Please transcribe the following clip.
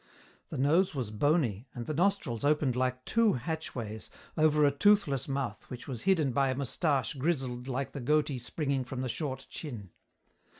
The nose was bony, and the nostrils opened like two hatchways, over a toothless mouth which was hidden by a moustache grizzled like the goatee springing from the short chin.